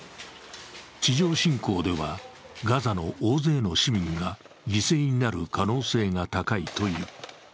地上侵攻では、ガザの大勢の市民が犠牲になる可能性が高いという。